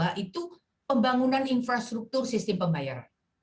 yaitu pembangunan infrastruktur sistem pembayaran